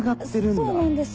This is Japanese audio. そうなんです。